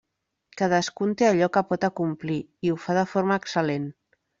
Cadascun té allò que pot acomplir, i ho fa de forma excel·lent.